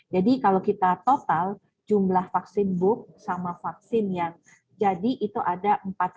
jadi kalau kita total jumlah vaksin bulk sama vaksin yang jadi itu ada